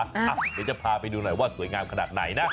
เดี๋ยวจะพาไปดูหน่อยว่าสวยงามขนาดไหนนะ